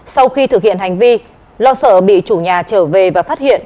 sau khi thực hiện hành vi lo sợ bị chủ nhà trở về và phát hiện